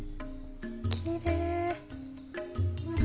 きれい。